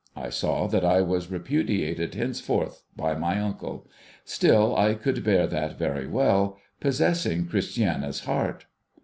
I saw that I was repudiated henceforth by. my uncle; still I could bear that very well, possessing Christiana's heart.